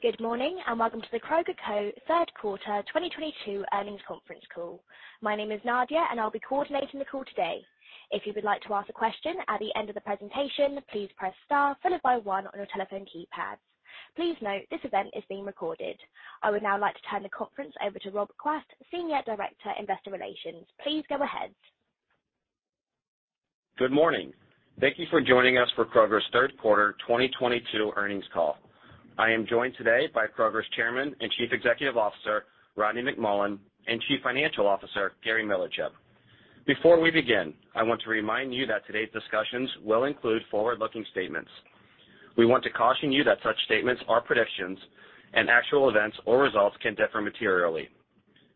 Good morning. Welcome to The Kroger Co third quarter 2022 earnings conference call. My name is Nadia. I'll be coordinating the call today. If you would like to ask a question at the end of the presentation, please press star followed by one on your telephone keypads. Please note, this event is being recorded. I would now like to turn the conference over to Rob Quast, Senior Director, Investor Relations. Please go ahead. Good morning. Thank you for joining us for Kroger's third quarter 2022 earnings call. I am joined today by Kroger's Chairman and Chief Executive Officer, Rodney McMullen, and Chief Financial Officer, Gary Millerchip. Before we begin, I want to remind you that today's discussions will include forward-looking statements. We want to caution you that such statements are predictions and actual events or results can differ materially.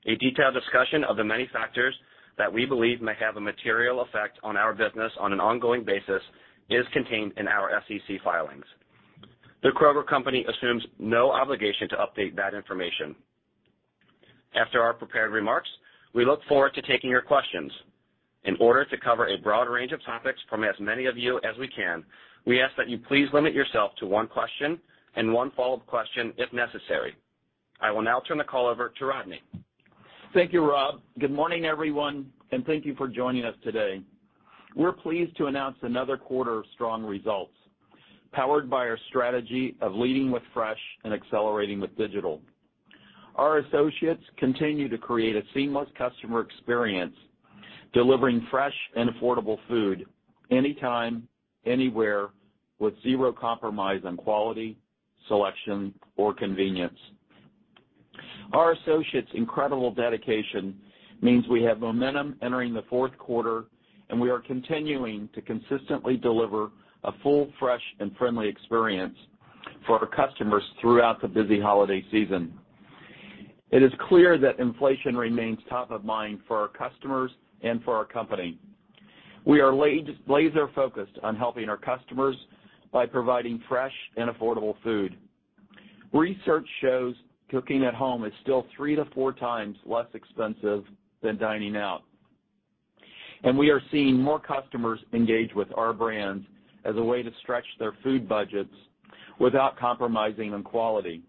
A detailed discussion of the many factors that we believe may have a material effect on our business on an ongoing basis is contained in our SEC filings. The Kroger Company assumes no obligation to update that information. After our prepared remarks, we look forward to taking your questions. In order to cover a broad range of topics from as many of you as we can, we ask that you please limit yourself to one question and one follow-up question if necessary. I will now turn the call over to Rodney. Thank you, Rob. Good morning, everyone. Thank you for joining us today. We're pleased to announce another quarter of strong results, powered by our strategy of leading with fresh and accelerating with digital. Our associates continue to create a seamless customer experience, delivering fresh and affordable food anytime, anywhere with zero compromise on quality, selection or convenience. Our associates' incredible dedication means we have momentum entering the fourth quarter. We are continuing to consistently deliver a full, fresh, and friendly experience for our customers throughout the busy holiday season. It is clear that inflation remains top of mind for our customers and for our company. We are laser focused on helping our customers by providing fresh and affordable food. Research shows cooking at home is still 3x-4x less expensive than dining out. We are seeing more customers engage with Our Brands as a way to stretch their food budgets without compromising on quality.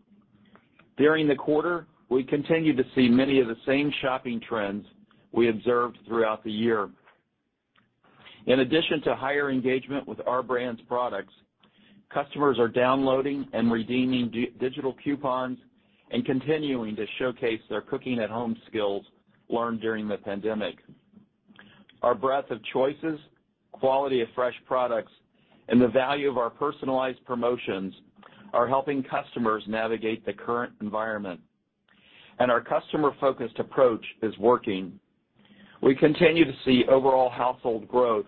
During the quarter, we continued to see many of the same shopping trends we observed throughout the year. In addition to higher engagement with Our Brands' products, customers are downloading and redeeming digital coupons and continuing to showcase their cooking at home skills learned during the pandemic. Our breadth of choices, quality of fresh products, and the value of our personalized promotions are helping customers navigate the current environment. Our customer-focused approach is working. We continue to see overall household growth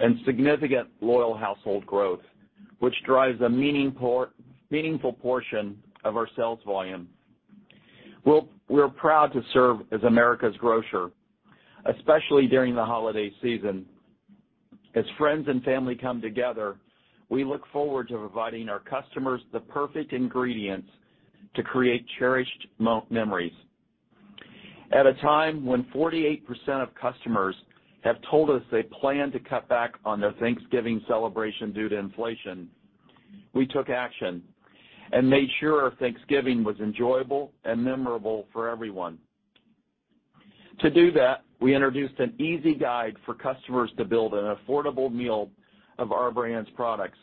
and significant loyal household growth, which drives a meaningful portion of our sales volume. We're proud to serve as America's Grocer, especially during the holiday season. As friends and family come together, we look forward to providing our customers the perfect ingredients to create cherished memories. At a time when 48% of customers have told us they plan to cut back on their Thanksgiving celebration due to inflation, we took action and made sure Thanksgiving was enjoyable and memorable for everyone. To do that, we introduced an easy guide for customers to build an affordable meal of Our Brands products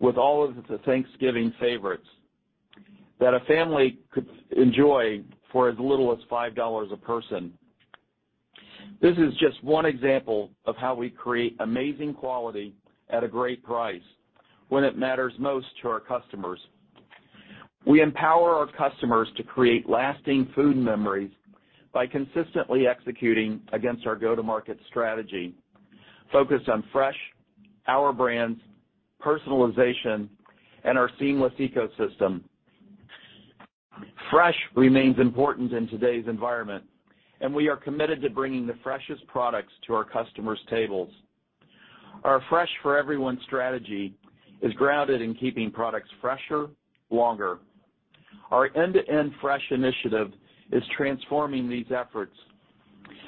with all of the Thanksgiving favorites that a family could enjoy for as little as $5 a person. This is just one example of how we create amazing quality at a great price when it matters most to our customers. We empower our customers to create lasting food memories by consistently executing against our go-to-market strategy focused on Fresh, Our Brands, personalization, and our seamless ecosystem. Fresh remains important in today's environment, and we are committed to bringing the freshest products to our customers' tables. Our Fresh for Everyone strategy is grounded in keeping products fresher, longer. Our end-to-end Fresh initiative is transforming these efforts.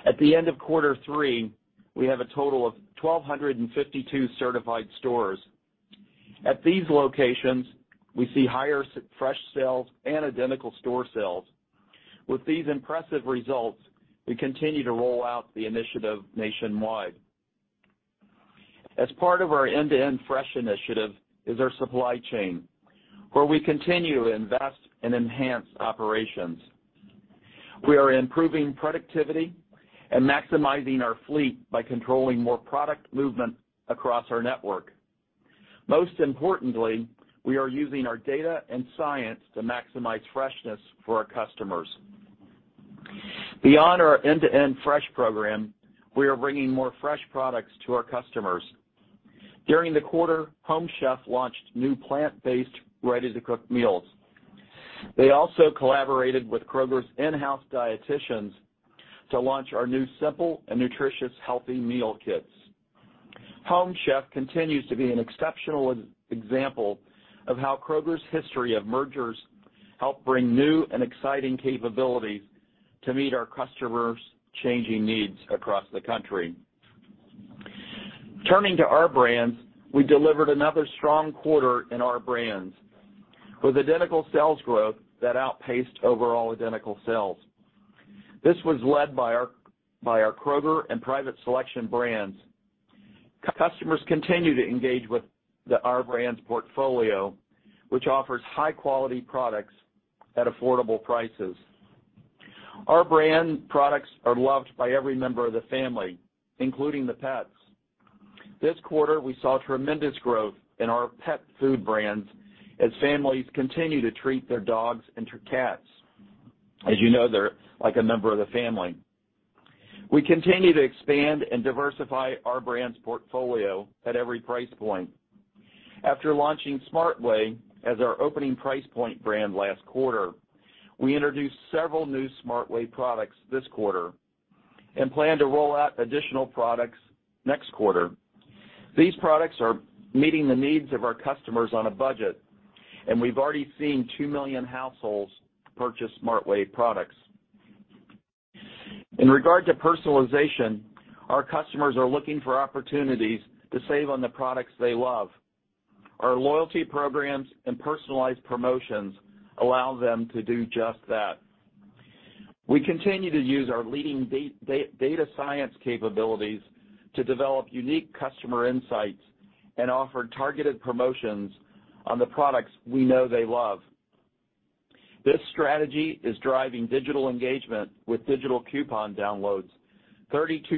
At the end of quarter three, we have a total of 1,252 certified stores. At these locations, we see higher fresh sales and identical store sales. With these impressive results, we continue to roll out the initiative nationwide. As part of our end-to-end Fresh initiative is our supply chain, where we continue to invest and enhance operations. We are improving productivity and maximizing our fleet by controlling more product movement across our network. Most importantly, we are using our data and science to maximize freshness for our customers. Beyond our end-to-end Fresh program, we are bringing more Fresh products to our customers. During the quarter, Home Chef launched new plant-based, ready-to-cook meals. They also collaborated with Kroger's in-house dietitians to launch our new simple and nutritious healthy meal kits. Home Chef continues to be an exceptional example of how Kroger's history of mergers help bring new and exciting capabilities to meet our customers' changing needs across the country. Turning to Our Brands, we delivered another strong quarter in Our Brands with identical sales growth that outpaced overall identical sales. This was led by our Kroger and Private Selection brands. Customers continue to engage with the Our Brands portfolio, which offers high-quality products at affordable prices. Our brand products are loved by every member of the family, including the pets. This quarter, we saw tremendous growth in our pet food brands as families continue to treat their dogs and their cats as you know they're like a member of the family. We continue to expand and diversify Our Brands portfolio at every price point. After launching Smart Way as our opening price point brand last quarter, we introduced several new Smart Way products this quarter and plan to roll out additional products next quarter. These products are meeting the needs of our customers on a budget, and we've already seen 2 million households purchase Smart Way products. In regard to personalization, our customers are looking for opportunities to save on the products they love. Our loyalty programs and personalized promotions allow them to do just that. We continue to use our leading data science capabilities to develop unique customer insights and offer targeted promotions on the products we know they love. This strategy is driving digital engagement with digital coupon downloads 32%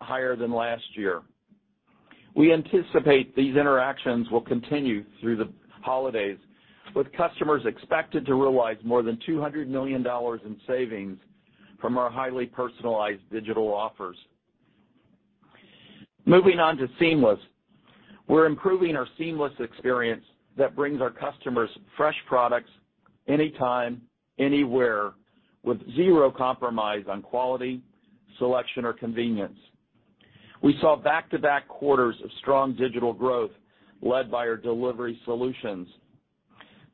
higher than last year. We anticipate these interactions will continue through the holidays, with customers expected to realize more than $200 million in savings from our highly personalized digital offers. Moving on to Seamless. We're improving our Seamless experience that brings our customers fresh products anytime, anywhere with zero compromise on quality, selection or convenience. We saw back-to-back quarters of strong digital growth led by our delivery solutions.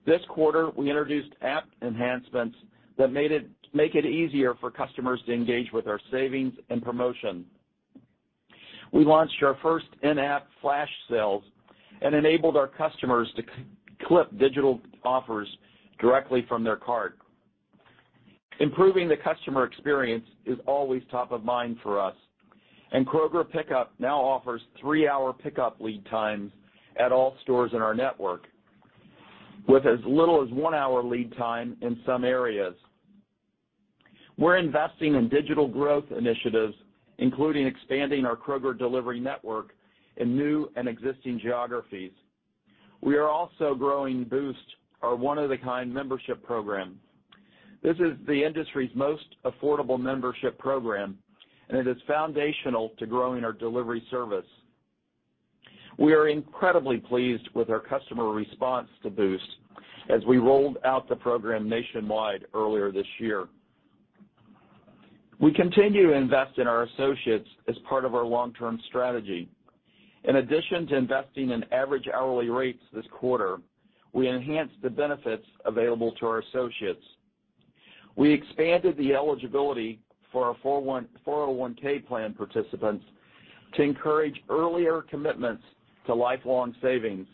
This quarter, we introduced app enhancements that make it easier for customers to engage with our savings and promotion. We launched our first in-app flash sales and enabled our customers to clip digital offers directly from their cart. Improving the customer experience is always top of mind for us, and Kroger Pickup now offers three-hour pickup lead times at all stores in our network, with as little as one-hour lead time in some areas. We're investing in digital growth initiatives, including expanding our Kroger Delivery network in new and existing geographies. We are also growing Boost, our one-of-a-kind membership program. This is the industry's most affordable membership program, and it is foundational to growing our delivery service. We are incredibly pleased with our customer response to Boost as we rolled out the program nationwide earlier this year. We continue to invest in our associates as part of our long-term strategy. In addition to investing in average hourly rates this quarter, we enhanced the benefits available to our associates. We expanded the eligibility for our 401(k) plan participants to encourage earlier commitments to lifelong savings.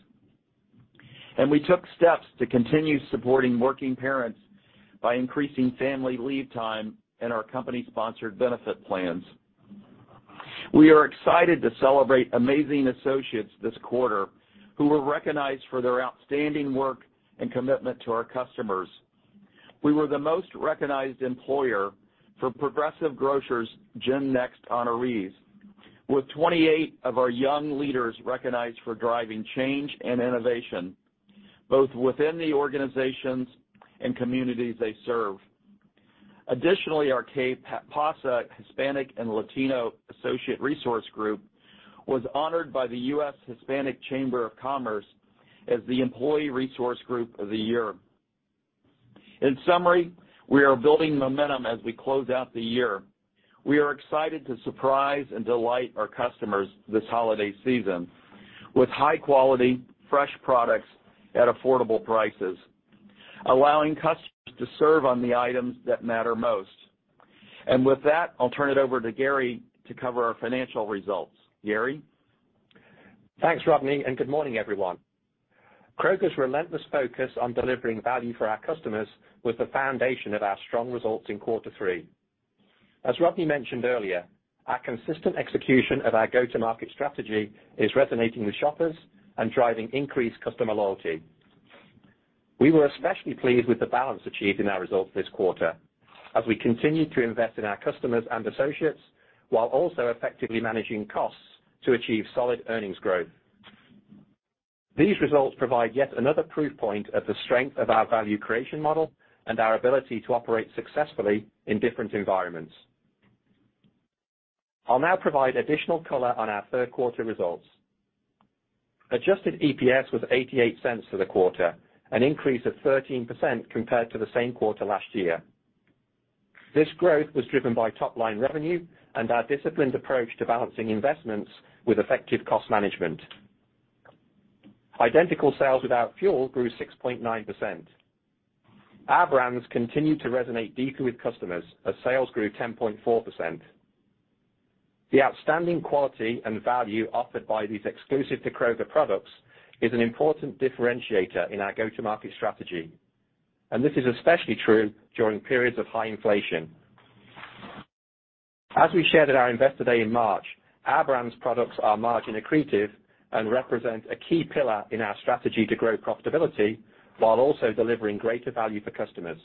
We took steps to continue supporting working parents by increasing family leave time in our company-sponsored benefit plans. We are excited to celebrate amazing associates this quarter who were recognized for their outstanding work and commitment to our customers. We were the most recognized employer for Progressive Grocer GenNext honorees, with 28 of our young leaders recognized for driving change and innovation, both within the organizations and communities they serve. Additionally, our KEPASA Hispanic and Latino Associate Resource Group was honored by the U.S. Hispanic Chamber of Commerce as the Employee Resource Group of the Year. In summary, we are building momentum as we close out the year. We are excited to surprise and delight our customers this holiday season with high-quality, fresh products at affordable prices, allowing customers to serve on the items that matter most. With that, I'll turn it over to Gary to cover our financial results. Gary? Thanks, Rodney, and good morning, everyone. Kroger's relentless focus on delivering value for our customers was the foundation of our strong results in quarter three. As Rodney mentioned earlier, our consistent execution of our go-to-market strategy is resonating with shoppers and driving increased customer loyalty. We were especially pleased with the balance achieved in our results this quarter as we continued to invest in our customers and associates while also effectively managing costs to achieve solid earnings growth. These results provide yet another proof point of the strength of our value creation model and our ability to operate successfully in different environments. I'll now provide additional color on our third quarter results. Adjusted EPS was $0.88 for the quarter, an increase of 13% compared to the same quarter last year. This growth was driven by top-line revenue and our disciplined approach to balancing investments with effective cost management. Identical sales without fuel grew 6.9%. Our Brands continued to resonate deeper with customers as sales grew 10.4%. This outstanding quality and value offered by these exclusive to Kroger products is an important differentiator in our go-to-market strategy, and this is especially true during periods of high inflation. As we shared at our Investor Day in March, Our Brands products are margin accretive and represent a key pillar in our strategy to grow profitability while also delivering greater value for customers.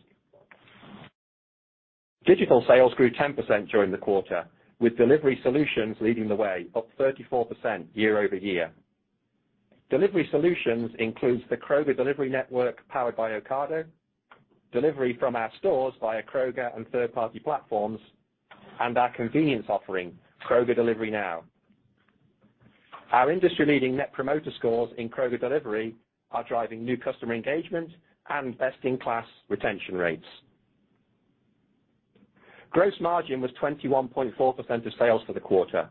Digital sales grew 10% during the quarter, with delivery solutions leading the way, up 34% year-over-year. Delivery solutions includes the Kroger delivery network powered by Ocado, delivery from our stores via Kroger and third-party platforms, and our convenience offering, Kroger Delivery Now. Our industry-leading Net Promoter Scores in Kroger Delivery are driving new customer engagement and best-in-class retention rates. Gross margin was 21.4% of sales for the quarter.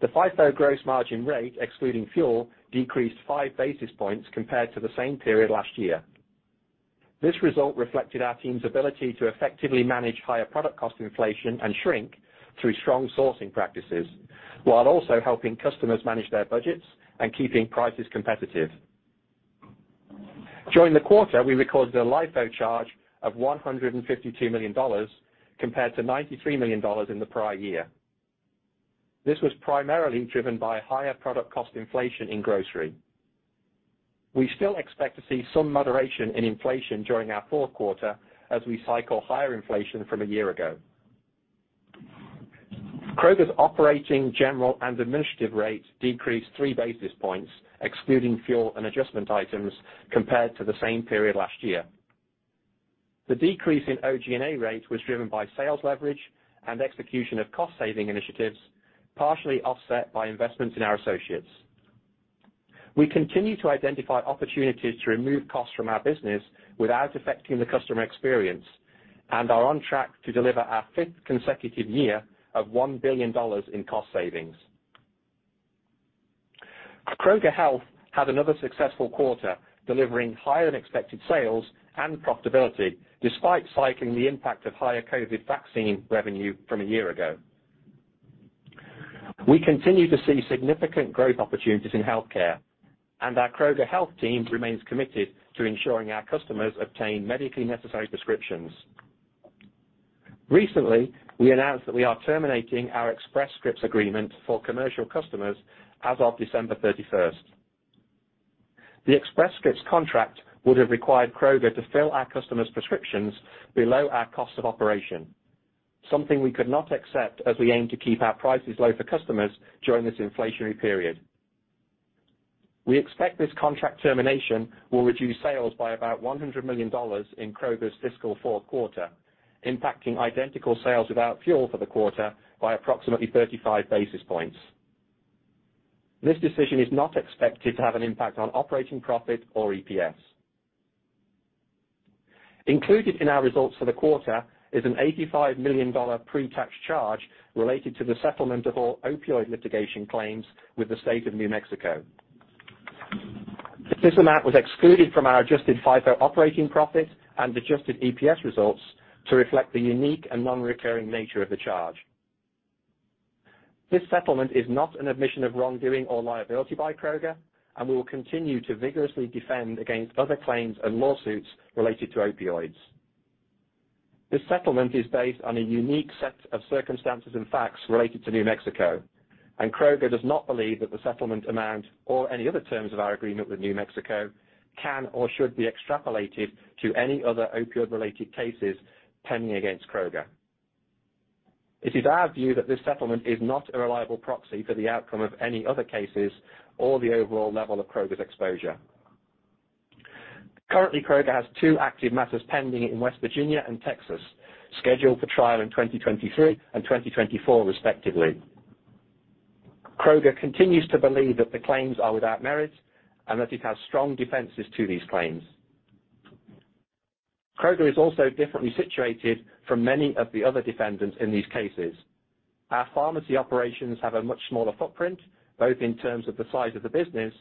The FIFO gross margin rate, excluding fuel, decreased 5 basis points compared to the same period last year. This result reflected our team's ability to effectively manage higher product cost inflation and shrink through strong sourcing practices, while also helping customers manage their budgets and keeping prices competitive. During the quarter, we recorded a LIFO charge of $152 million compared to $93 million in the prior year. This was primarily driven by higher product cost inflation in grocery. We still expect to see some moderation in inflation during our fourth quarter as we cycle higher inflation from a year ago. Kroger's operating general and administrative rates decreased 3 basis points, excluding fuel and adjustment items, compared to the same period last year. The decrease in OG&A rates was driven by sales leverage and execution of cost-saving initiatives, partially offset by investments in our associates. We continue to identify opportunities to remove costs from our business without affecting the customer experience and are on track to deliver our fifth consecutive year of $1 billion in cost savings. Kroger Health had another successful quarter, delivering higher-than-expected sales and profitability despite cycling the impact of higher COVID vaccine revenue from a year ago. We continue to see significant growth opportunities in healthcare, and our Kroger Health team remains committed to ensuring our customers obtain medically necessary prescriptions. Recently, we announced that we are terminating our Express Scripts agreement for commercial customers as of December 31st. The Express Scripts contract would have required Kroger to fill our customers' prescriptions below our cost of operation, something we could not accept as we aim to keep our prices low for customers during this inflationary period. We expect this contract termination will reduce sales by about $100 million in Kroger's fiscal fourth quarter, impacting identical sales without fuel for the quarter by approximately 35 basis points. This decision is not expected to have an impact on operating profit or EPS. Included in our results for the quarter is an $85 million pre-tax charge related to the settlement of all opioid litigation claims with the State of New Mexico. This amount was excluded from our adjusted FIFO operating profit and adjusted EPS results to reflect the unique and non-recurring nature of the charge. This settlement is not an admission of wrongdoing or liability by Kroger, and we will continue to vigorously defend against other claims and lawsuits related to opioids. This settlement is based on a unique set of circumstances and facts related to New Mexico, and Kroger does not believe that the settlement amount or any other terms of our agreement with New Mexico can or should be extrapolated to any other opioid-related cases pending against Kroger. It is our view that this settlement is not a reliable proxy for the outcome of any other cases or the overall level of Kroger's exposure. Currently, Kroger has two active matters pending in West Virginia and Texas, scheduled for trial in 2023 and 2024 respectively. Kroger continues to believe that the claims are without merit and that it has strong defenses to these claims. Kroger is also differently situated from many of the other defendants in these cases. Our pharmacy operations have a much smaller footprint, both in terms of the size of the business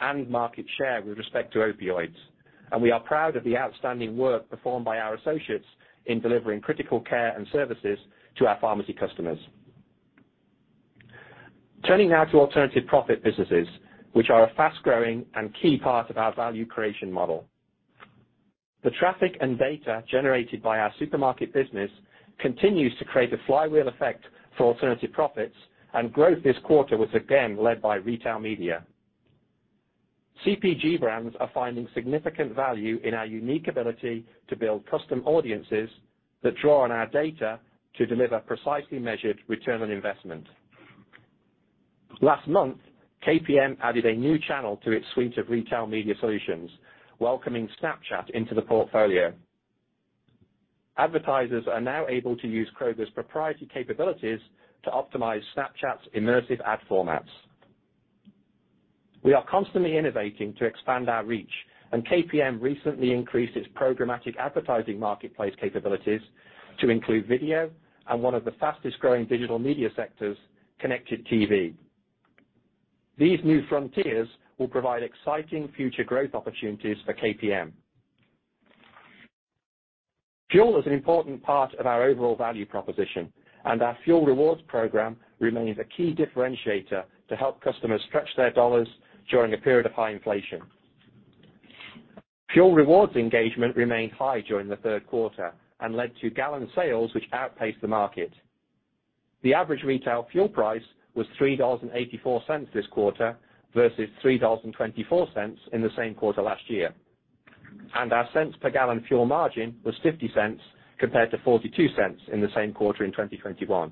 and market share with respect to opioids, and we are proud of the outstanding work performed by our associates in delivering critical care and services to our pharmacy customers. Turning now to alternative profit businesses, which are a fast-growing and key part of our value creation model. The traffic and data generated by our supermarket business continues to create a flywheel effect for alternative profits, and growth this quarter was again led by retail media. CPG brands are finding significant value in our unique ability to build custom audiences that draw on our data to deliver precisely measured return on investment. Last month, KPM added a new channel to its suite of retail media solutions, welcoming Snapchat into the portfolio. Advertisers are now able to use Kroger's proprietary capabilities to optimize Snapchat's immersive ad formats. We are constantly innovating to expand our reach, and KPM recently increased its programmatic advertising marketplace capabilities to include video and one of the fastest-growing digital media sectors, connected TV. These new frontiers will provide exciting future growth opportunities for KPM. Fuel is an important part of our overall value proposition, and our fuel rewards program remains a key differentiator to help customers stretch their dollars during a period of high inflation. Fuel rewards engagement remained high during the third quarter and led to gallon sales which outpaced the market. The average retail fuel price was $3.84 this quarter versus $3.24 in the same quarter last year. Our cents per gallon fuel margin was $0.50 compared to $0.42 in the same quarter in 2021.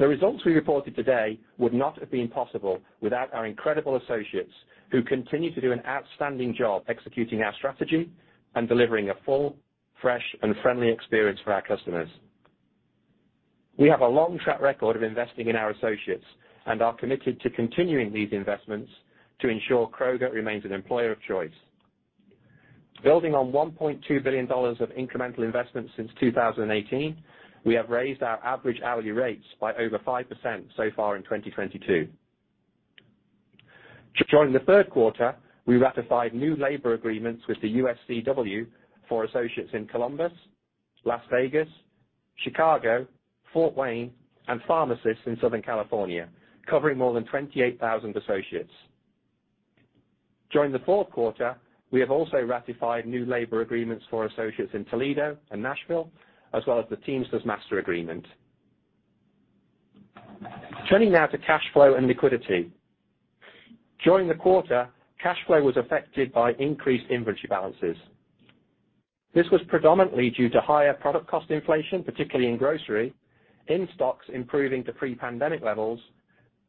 The results we reported today would not have been possible without our incredible associates who continue to do an outstanding job executing our strategy and delivering a full, fresh, and friendly experience for our customers. We have a long track record of investing in our associates and are committed to continuing these investments to ensure Kroger remains an employer of choice. Building on $1.2 billion of incremental investments since 2018, we have raised our average hourly rates by over 5% so far in 2022. During the third quarter, we ratified new labor agreements with the UFCW for associates in Columbus, Las Vegas, Chicago, Fort Wayne, and pharmacists in Southern California, covering more than 28,000 associates. During the fourth quarter, we have also ratified new labor agreements for associates in Toledo and Nashville, as well as the Teamsters master agreement. Turning now to cash flow and liquidity. During the quarter, cash flow was affected by increased inventory balances. This was predominantly due to higher product cost inflation, particularly in grocery, in stocks improving to pre-pandemic levels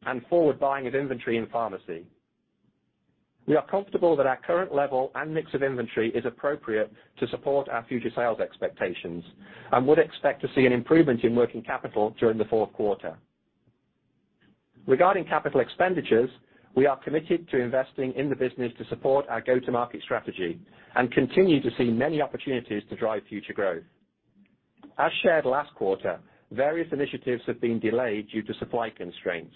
and forward buying of inventory in pharmacy. We are comfortable that our current level and mix of inventory is appropriate to support our future sales expectations and would expect to see an improvement in working capital during the fourth quarter. Regarding capital expenditures, we are committed to investing in the business to support our go-to-market strategy and continue to see many opportunities to drive future growth. As shared last quarter, various initiatives have been delayed due to supply constraints.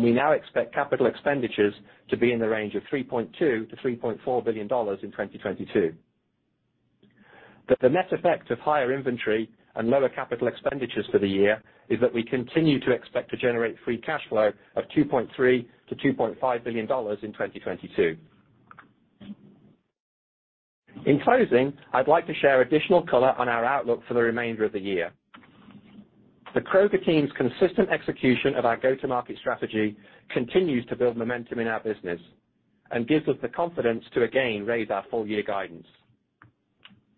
We now expect capital expenditures to be in the range of $3.2 billion-$3.4 billion in 2022. The net effect of higher inventory and lower capital expenditures for the year is that we continue to expect to generate free cash flow of $2.3 billion-$2.5 billion in 2022. In closing, I'd like to share additional color on our outlook for the remainder of the year. The Kroger team's consistent execution of our go-to-market strategy continues to build momentum in our business and gives us the confidence to again raise our full-year guidance.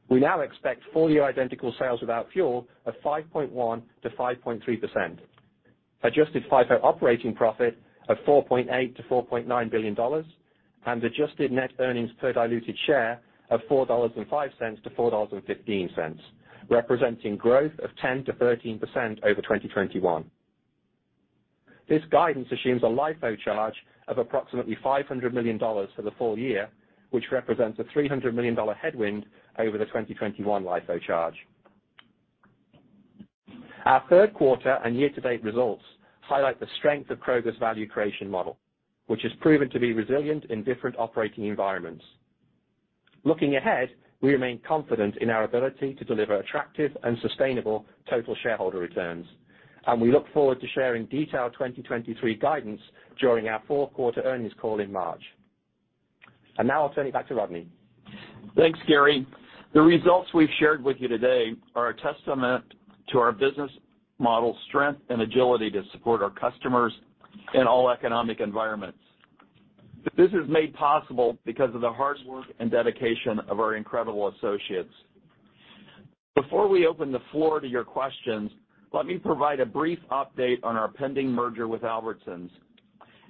We now expect full-year identical sales without fuel of 5.1%-5.3%. Adjusted FIFO operating profit of $4.8 billion-$4.9 billion and adjusted net earnings per diluted share of $4.05-$4.15, representing growth of 10%-13% over 2021. This guidance assumes a LIFO charge of approximately $500 million for the full year, which represents a $300 million headwind over the 2021 LIFO charge. Our third quarter and year-to-date results highlight the strength of Kroger's value creation model, which has proven to be resilient in different operating environments. Looking ahead, we remain confident in our ability to deliver attractive and sustainable total shareholder returns, and we look forward to sharing detailed 2023 guidance during our fourth quarter earnings call in March. Now I'll turn it back to Rodney. Thanks, Gary. The results we've shared with you today are a testament to our business model strength and agility to support our customers in all economic environments. This is made possible because of the hard work and dedication of our incredible associates. Before we open the floor to your questions, let me provide a brief update on our pending merger with Albertsons.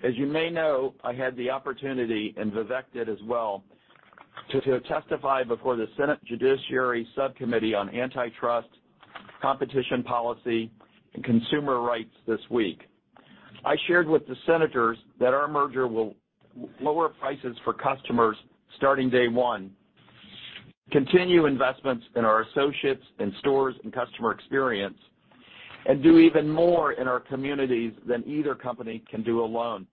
As you may know, I had the opportunity, and Vivek did as well, to testify before the Senate Judiciary Subcommittee on Antitrust, Competition Policy, and Consumer Rights this week. I shared with the senators that our merger will lower prices for customers starting day one, continue investments in our associates and stores and customer experience, and do even more in our communities than either company can do alone.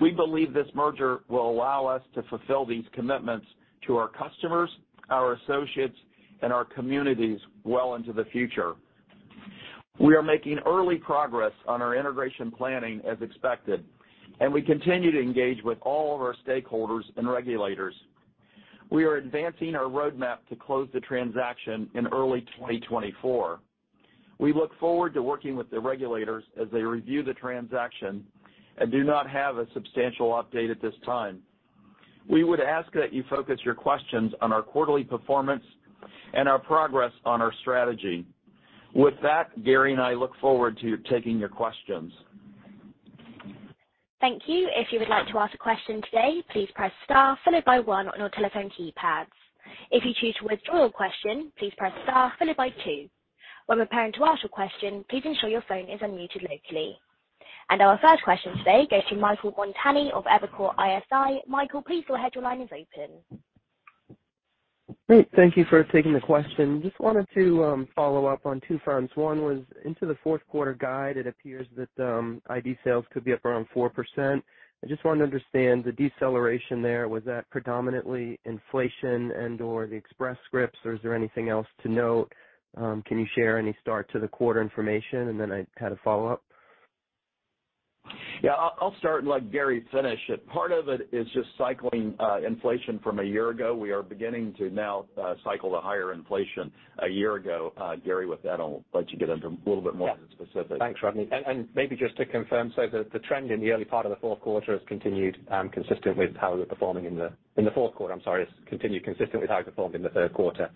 We believe this merger will allow us to fulfill these commitments to our customers, our associates, and our communities well into the future. We are making early progress on our integration planning as expected. We continue to engage with all of our stakeholders and regulators. We are advancing our roadmap to close the transaction in early 2024. We look forward to working with the regulators as they review the transaction. We do not have a substantial update at this time. We would ask that you focus your questions on our quarterly performance and our progress on our strategy. With that, Gary and I look forward to taking your questions. Thank you. If you would like to ask a question today, please press star followed by one on your telephone keypads. If you choose to withdraw your question, please press star followed by two. When preparing to ask your question, please ensure your phone is unmuted locally. Our first question today goes to Michael Montani of Evercore ISI. Michael, please your headline is open. Great. Thank you for taking the question. Just wanted to follow up on two fronts. One was into the fourth quarter guide, it appears that ID sales could be up around 4%. I just want to understand the deceleration there. Was that predominantly inflation and/or the Express Scripts, or is there anything else to note? Can you share any start to the quarter information? Then I had a follow-up. I'll start and let Gary finish it. Part of it is just cycling inflation from a year ago. We are beginning to now cycle the higher inflation a year ago. Gary, with that, I'll let you get into a little bit more of the specifics. Yeah. Thanks, Rodney. And maybe just to confirm, so the trend in the early part of the fourth quarter has continued consistent with how we performed in the third quarter,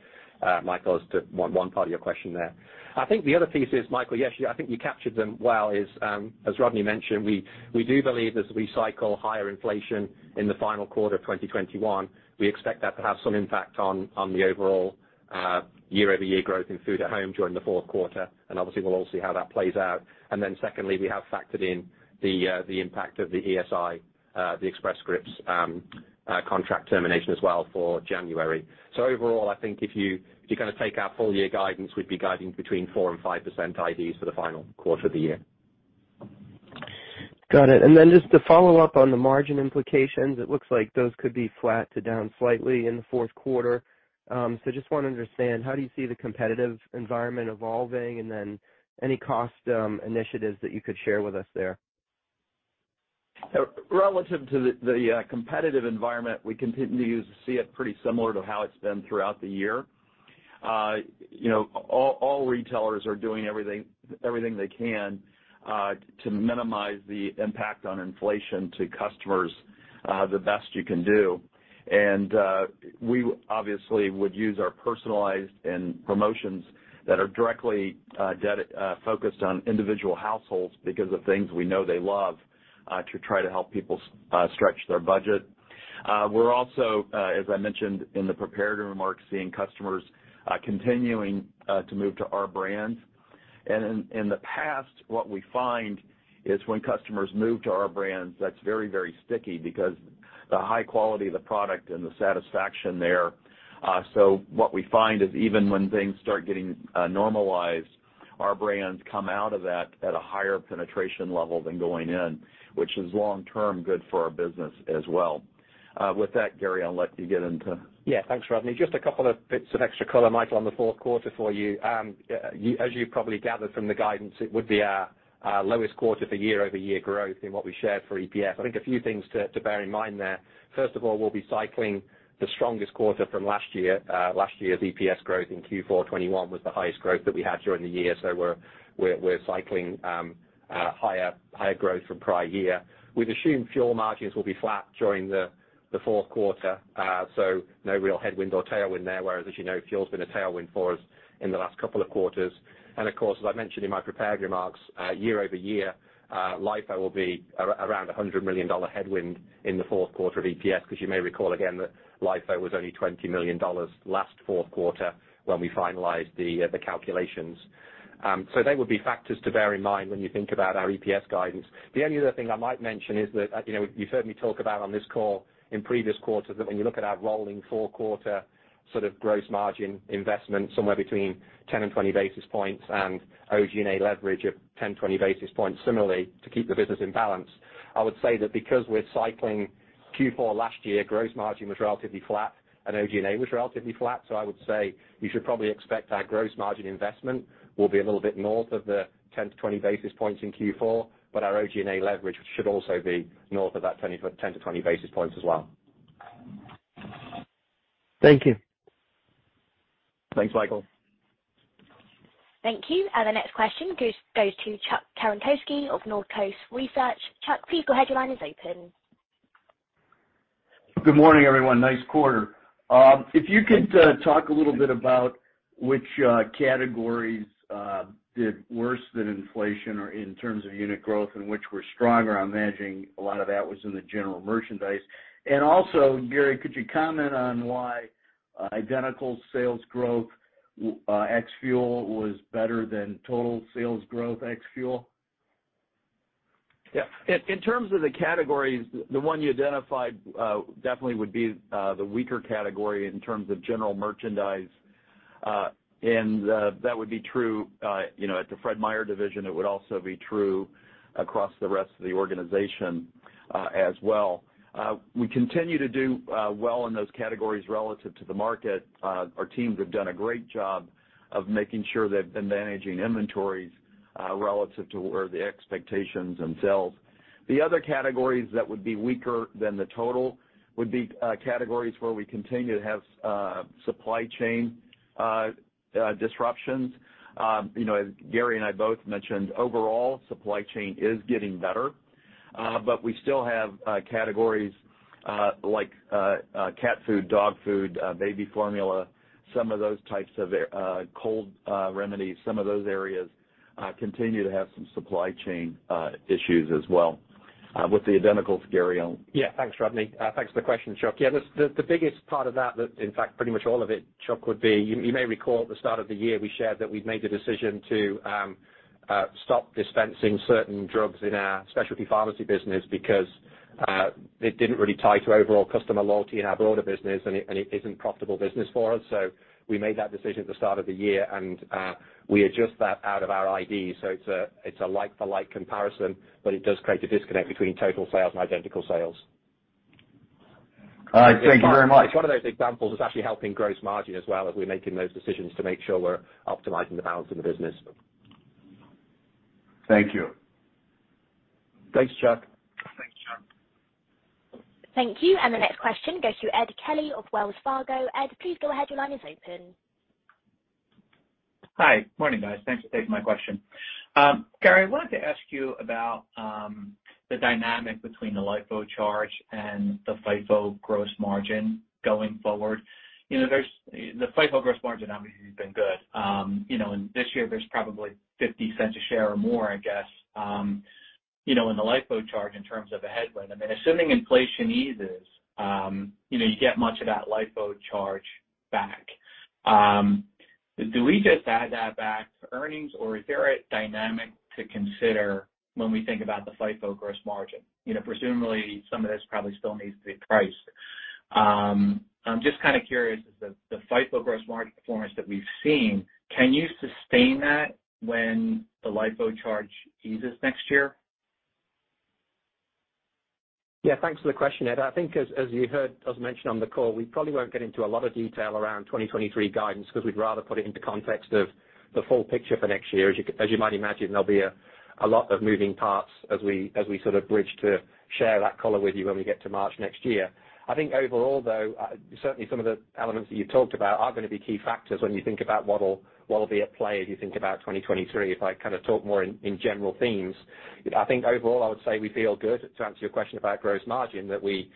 Michael, as to one part of your question there. I think the other piece is, Michael, yes, I think you captured them well, is, as Rodney mentioned, we do believe as we cycle higher inflation in the final quarter of 2021, we expect that to have some impact on the overall year-over-year growth in food at home during the fourth quarter. Obviously, we'll all see how that plays out. Secondly, we have factored in the impact of the ESI, the Express Scripts contract termination as well for January. Overall, I think if you, if you kind of take our full year guidance, we'd be guiding between 4% and 5% IDs for the final quarter of the year. Got it. Then just to follow up on the margin implications, it looks like those could be flat to down slightly in the fourth quarter. Just want to understand how do you see the competitive environment evolving, and then any cost initiatives that you could share with us there? Relative to the competitive environment, we continue to see it pretty similar to how it's been throughout the year. You know, all retailers are doing everything they can to minimize the impact on inflation to customers, the best you can do. We obviously would use our personalized and promotions that are directly focused on individual households because of things we know they love, to try to help people stretch their budget. We're also, as I mentioned in the prepared remarks, seeing customers continuing to move to Our Brands. In the past, what we find is when customers move to Our Brands, that's very, very sticky because the high quality of the product and the satisfaction there. What we find is even when things start getting normalized, Our Brands come out of that at a higher penetration level than going in, which is long-term good for our business as well. With that, Gary, I'll let you get into. Thanks, Rodney. Just a couple of bits of extra color, Michael, on the fourth quarter for you. As you probably gathered from the guidance, it would be our lowest quarter for year-over-year growth in what we shared for EPS. I think a few things to bear in mind there. First of all, we'll be cycling the strongest quarter from last year. Last year's EPS growth in Q4 2021 was the highest growth that we had during the year. We're cycling higher growth from prior year. We've assumed fuel margins will be flat during the fourth quarter, so no real headwind or tailwind there. As you know, fuel's been a tailwind for us in the last couple of quarters. Of course, as I mentioned in my prepared remarks, year-over-year, LIFO will be around $100 million headwind in the fourth quarter of EPS, because you may recall again that LIFO was only $20 million last fourth quarter when we finalized the calculations. They would be factors to bear in mind when you think about our EPS guidance. The only other thing I might mention is that, you know, you've heard me talk about on this call in previous quarters, that when you look at our rolling four-quarter sort of gross margin investment, somewhere between 10 and 20 basis points and OG&A leverage of 10, 20 basis points similarly to keep the business in balance. I would say that because we're cycling Q4 last year, gross margin was relatively flat and OG&A was relatively flat. I would say you should probably expect our gross margin investment will be a little bit north of the 10-20 basis points in Q4, but our OG&A leverage should also be north of that 10-20 basis points as well. Thank you. Thanks, Michael. Thank you. The next question goes to Chuck Cerankosky of Northcoast Research. Chuck, please your headline is open. Good morning, everyone. Nice quarter. If you could, talk a little bit about which categories did worse than inflation or in terms of unit growth and which were stronger. I'm imagining a lot of that was in the general merchandise. Gary, could you comment on why identical sales growth ex fuel was better than total sales growth ex fuel? Yeah. In terms of the categories, the one you identified, definitely would be the weaker category in terms of general merchandise. That would be true, you know, at the Fred Meyer division. It would also be true across the rest of the organization as well. We continue to do well in those categories relative to the market. Our teams have done a great job of making sure they've been managing inventories relative to where the expectations themselves. The other categories that would be weaker than the total would be categories where we continue to have supply chain disruptions. You know, as Gary and I both mentioned, overall supply chain is getting better, but we still have categories like cat food, dog food, baby formula, some of those types of cold remedies. Some of those areas continue to have some supply chain issues as well. With the identicals, Gary on. Thanks, Rodney. Thanks for the question, Chuck. The biggest part of that that, in fact, pretty much all of it, Chuck, would be you may recall at the start of the year, we shared that we'd made the decision to stop dispensing certain drugs in our specialty pharmacy business because it didn't really tie to overall customer loyalty in our broader business, and it isn't profitable business for us. We made that decision at the start of the year, and we adjust that out of our ID. It's a like-for-like comparison, but it does create a disconnect between total sales and identical sales. All right. Thank you very much. It's one of those examples that's actually helping gross margin as well, as we're making those decisions to make sure we're optimizing the balance in the business. Thank you. Thanks, Chuck. Thank you. The next question goes to Ed Kelly of Wells Fargo. Ed, please go ahead. Your line is open. Hi. Morning, guys. Thanks for taking my question. Gary, I wanted to ask you about the dynamic between the LIFO charge and the FIFO gross margin going forward. You know, the FIFO gross margin obviously has been good. You know, and this year there's probably $0.50 a share or more, I guess, you know, in the LIFO charge in terms of a headwind. I mean, assuming inflation eases, you know, you get much of that LIFO charge back. Do we just add that back to earnings, or is there a dynamic to consider when we think about the FIFO gross margin? You know, presumably, some of this probably still needs to be priced. I'm just kinda curious is the FIFO gross margin performance that we've seen, can you sustain that when the LIFO charge eases next year? Yeah, thanks for the question, Ed. I think as you heard, as mentioned on the call, we probably won't get into a lot of detail around 2023 guidance because we'd rather put it into context of the full picture for next year. As you might imagine, there'll be a lot of moving parts as we sort of bridge to share that color with you when we get to March next year. I think overall, though, certainly some of the elements that you've talked about are gonna be key factors when you think about what'll be at play as you think about 2023. If I kind of talk more in general themes, I think overall I would say we feel good, to answer your question about gross margin, that we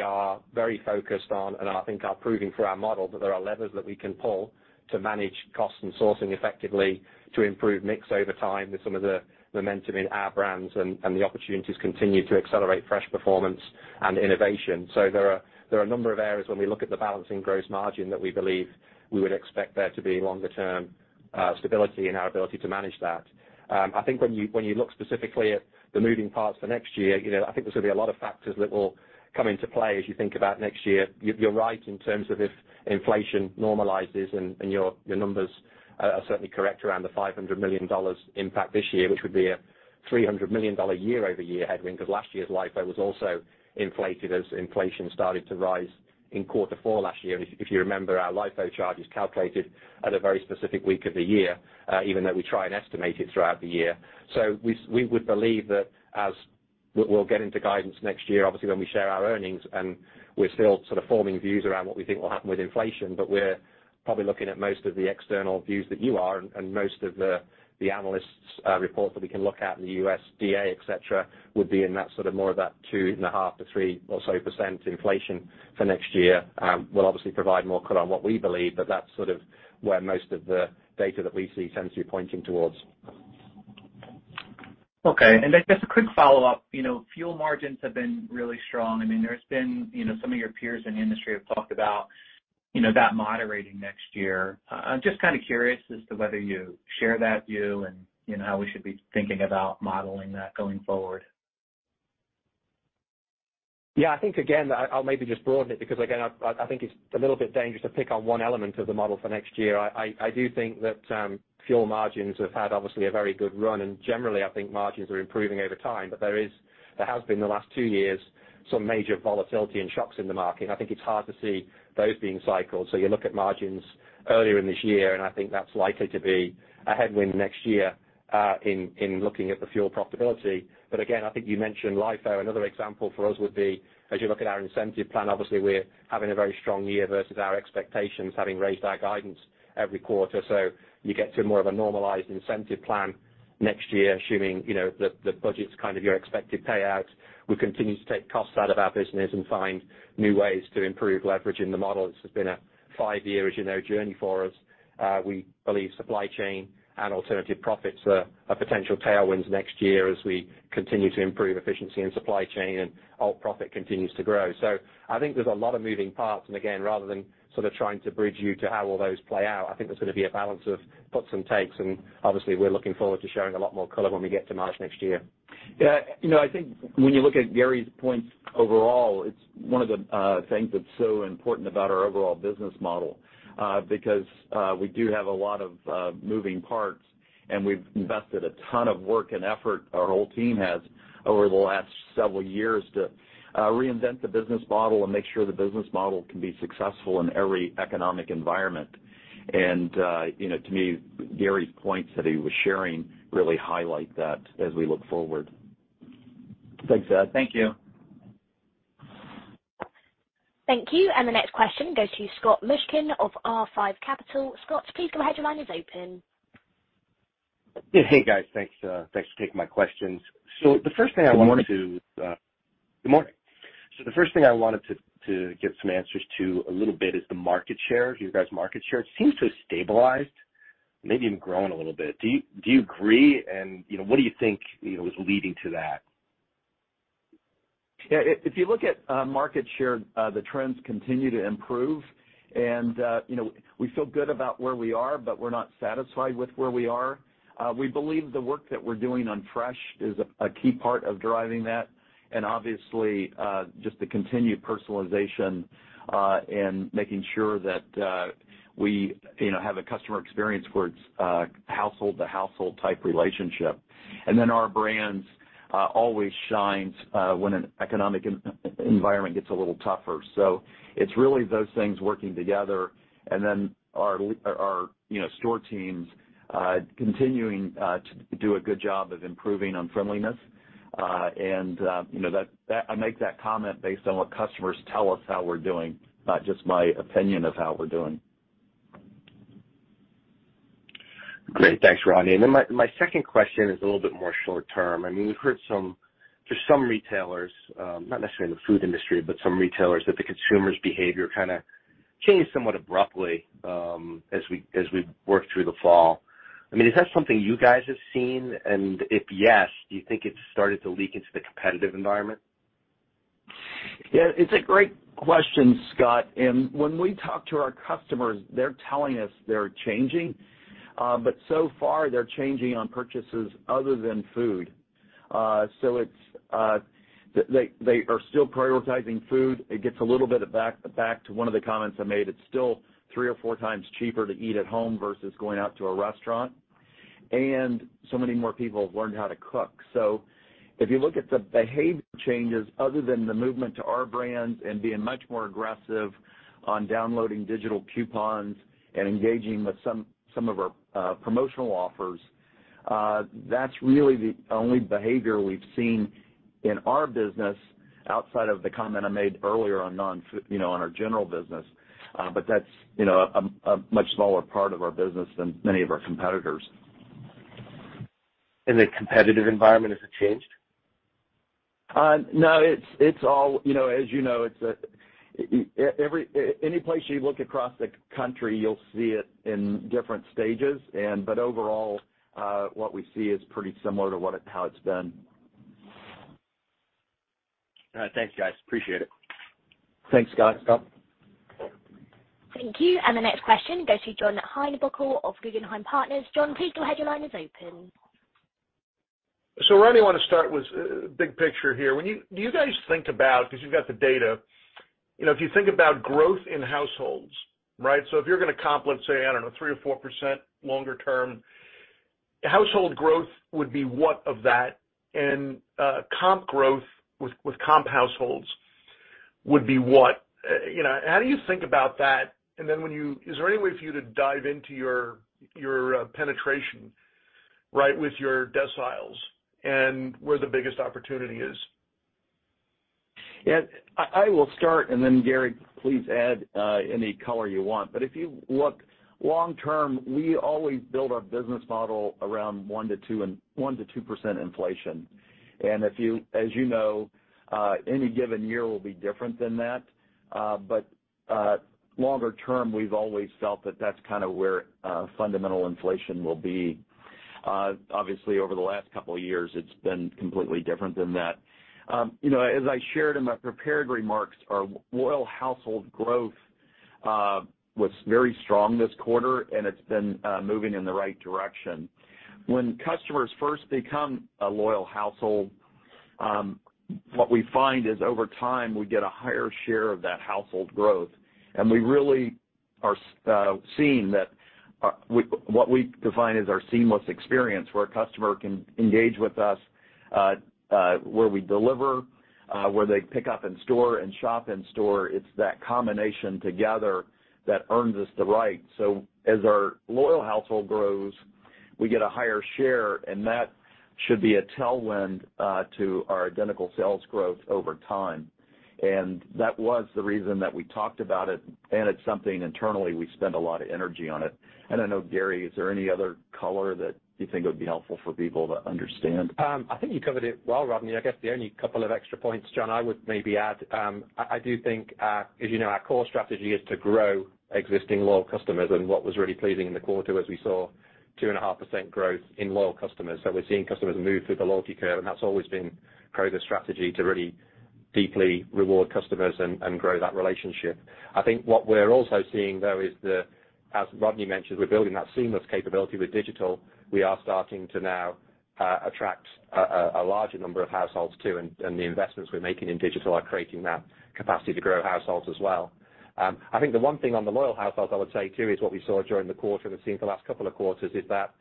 are very focused on and I think are proving through our model that there are levers that we can pull to manage cost and sourcing effectively to improve mix over time with some of the momentum in our brands, and the opportunities continue to accelerate fresh performance and innovation. There are a number of areas when we look at the balance in gross margin that we believe we would expect there to be longer term stability in our ability to manage that. I think when you look specifically at the moving parts for next year, you know, I think there's gonna be a lot of factors that will come into play as you think about next year. You're right in terms of if inflation normalizes and your numbers are certainly correct around the $500 million impact this year, which would be a $300 million year-over-year headwind, 'cause last year's LIFO was also inflated as inflation started to rise in quarter four last year. If you remember, our LIFO charge is calculated at a very specific week of the year, even though we try and estimate it throughout the year. We would believe that as we'll get into guidance next year, obviously, when we share our earnings, and we're still sort of forming views around what we think will happen with inflation. We're probably looking at most of the external views that you are and most of the analysts' reports that we can look at in the USDA, et cetera, would be in that sort of more of that 2.5%-3% inflation for next year. We'll obviously provide more color on what we believe, but that's sort of where most of the data that we see tends to be pointing towards. Okay. Then just a quick follow-up. You know, fuel margins have been really strong. I mean, there's been, you know, some of your peers in the industry have talked about, you know, that moderating next year. I'm just kinda curious as to whether you share that view and, you know, how we should be thinking about modeling that going forward? Yeah, I think again, I'll maybe just broaden it because again, I think it's a little bit dangerous to pick on one element of the model for next year. I do think that fuel margins have had obviously a very good run, and generally, I think margins are improving over time. There has been the last two years, some major volatility and shocks in the market. I think it's hard to see those being cycled. You look at margins earlier in this year, and I think that's likely to be a headwind next year in looking at the fuel profitability. Again, I think you mentioned LIFO. Another example for us would be as you look at our incentive plan, obviously we're having a very strong year versus our expectations, having raised our guidance every quarter. You get to more of a normalized incentive plan next year, assuming, you know, the budget's kind of your expected payouts. We continue to take costs out of our business and find new ways to improve leverage in the model. This has been a five-year, as you know, journey for us. We believe supply chain and alternative profits are potential tailwinds next year as we continue to improve efficiency in supply chain and all profit continues to grow. I think there's a lot of moving parts, and again, rather than sort of trying to bridge you to how all those play out, I think there's gonna be a balance of puts and takes, and obviously, we're looking forward to sharing a lot more color when we get to March next year. Yeah. You know, I think when you look at Gary's points overall, it's one of the things that's so important about our overall business model, because we do have a lot of moving parts, and we've invested a ton of work and effort, our whole team has, over the last several years to reinvent the business model and make sure the business model can be successful in every economic environment. You know, to me, Gary's points that he was sharing really highlight that as we look forward. Thank you. Thank you. The next question goes to Scott Mushkin of R5 Capital. Scott, please go ahead. Your line is open. Hey, guys. Thanks, thanks for taking my questions. The first thing. Good morning. The first thing I wanted to get some answers to a little bit is the market share. You guys market share seems to have stabilized, maybe even grown a little bit. Do you agree? You know, what do you think, you know, is leading to that? Yeah. If you look at market share, the trends continue to improve. You know, we feel good about where we are, but we're not satisfied with where we are. We believe the work that we're doing on Fresh is a key part of driving that. Obviously, just the continued personalization, and making sure that we, you know, have a customer experience where it's household to household type relationship. Our Brands always shines when an economic environment gets a little tougher. It's really those things working together. Our, you know, store teams continuing to do a good job of improving on friendliness. You know, I make that comment based on what customers tell us how we're doing, not just my opinion of how we're doing. Great. Thanks, Rodney. My second question is a little bit more short-term. I mean, we've heard just some retailers, not necessarily in the food industry, but some retailers, that the consumer's behavior kind of changed somewhat abruptly as we've worked through the fall. I mean, is that something you guys have seen? If yes, do you think it's started to leak into the competitive environment? Yeah, it's a great question, Scott. When we talk to our customers, they're telling us they're changing. So far, they're changing on purchases other than food. They are still prioritizing food. It gets a little bit back to one of the comments I made. It's still 3x-4x cheaper to eat at home versus going out to a restaurant, and so many more people have learned how to cook. If you look at the behavior changes other than the movement to Our Brands and being much more aggressive on downloading digital coupons and engaging with some of our promotional offers, that's really the only behavior we've seen in our business outside of the comment I made earlier on non-food, you know, on our general business. That's, you know, a much smaller part of our business than many of our competitors. In the competitive environment, has it changed? No, it's all, you know, as you know, Any place you look across the country, you'll see it in different stages. Overall, what we see is pretty similar to how it's been. All right. Thanks, guys. Appreciate it. Thanks, Scott. Thank you. The next question goes to John Heinbockel of Guggenheim Partners. John, please go ahead, your line is open. Rodney, I want to start with big picture here. Do you guys think about, because you've got the data, you know, if you think about growth in households, right? If you're going to comp, let's say, I don't know, 3% or 4% longer term, household growth would be what of that? Comp growth with comp households would be what? You know, how do you think about that? Is there any way for you to dive into your penetration, right, with your deciles and where the biggest opportunity is? Yeah. I will start. Gary, please add any color you want. If you look long-term, we always build our business model around 1%-2% inflation. If you know, any given year will be different than that. Longer term, we've always felt that that's kind of where fundamental inflation will be. Obviously, over the last couple of years, it's been completely different than that. You know, as I shared in my prepared remarks, our loyal household growth was very strong this quarter, and it's been moving in the right direction. When customers first become a loyal household, what we find is over time, we get a higher share of that household growth, and we really are seeing that what we define as our seamless experience where a customer can engage with us, where we deliver, where they pick up in store and shop in store, it's that combination together that earns us the right. As our loyal household grows, we get a higher share, and that should be a tailwind to our identical sales growth over time. That was the reason that we talked about it, and it's something internally we spend a lot of energy on it. I don't know, Gary, is there any other color that you think would be helpful for people to understand? I think you covered it well, Rodney. I guess the only couple of extra points, John, I would maybe add, I do think, as you know, our core strategy is to grow existing loyal customers. What was really pleasing in the quarter as we saw 2.5% growth in loyal customers. We're seeing customers move through the loyalty curve, and that's always been Kroger's strategy to really deeply reward customers and grow that relationship. I think what we're also seeing, though, is, as Rodney mentioned, we're building that seamless capability with digital. We are starting to now attract a larger number of households too, and the investments we're making in digital are creating that capacity to grow households as well. I think the one thing on the loyal households I would say, too, is what we saw during the quarter and have seen for the last couple of quarters is that